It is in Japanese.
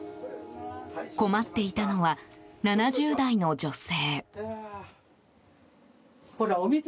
困っていたのは７０代の女性。